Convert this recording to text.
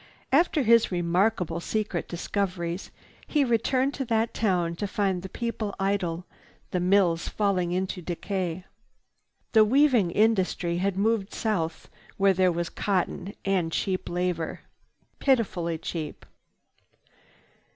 After his remarkable secret discoveries he returned to that town to find the people idle, the mills falling into decay. The weaving industry had moved south where there was cotton and cheap labor—pitifully cheap!"